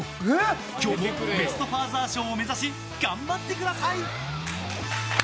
今日もベスト・ファーザー賞を目指し、頑張ってください！